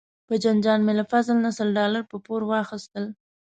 په جنجال مې له فضل نه سل ډالره په پور واخیستل.